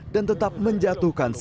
dan tetap menjatuhkan sepeda motornya